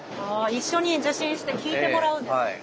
一緒に受診して聞いてもらうんですね。